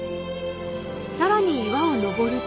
［さらに岩を登ると］